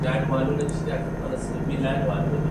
د ټولنې لوړې طبقې خپله برلاسي ساتي.